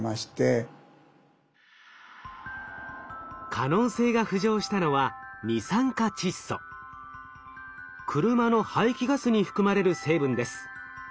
可能性が浮上したのは車の排気ガスに含まれる成分です。